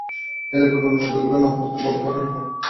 এই লেখকের অন্য বইগুলোর নাম কি বলতে পারবেন আমাকে?